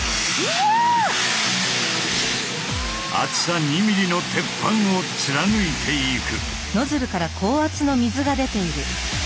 厚さ２ｍｍの鉄板を貫いていく。